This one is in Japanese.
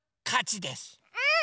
うん！